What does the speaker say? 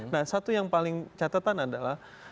nah satu yang paling catatan adalah